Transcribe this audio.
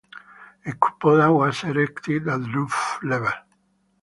A cupola was erected at roof level.